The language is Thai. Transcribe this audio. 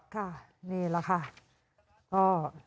ค่ะนี่แหละค่ะก็